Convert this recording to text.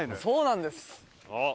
そうなんです。